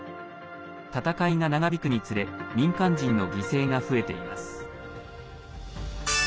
戦いが長引くにつれ民間人の犠牲が増えています。